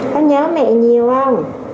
có nhớ mẹ nhiều không